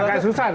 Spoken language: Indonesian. agak susah dong